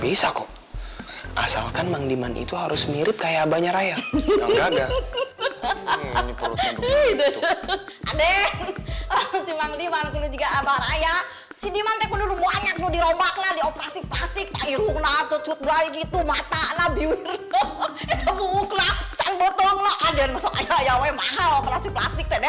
bisa kok asalkan menggimana itu harus mirip kayak banyak raya